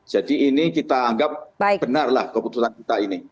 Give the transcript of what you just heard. jadi ini kita anggap benar lah keputusan kita ini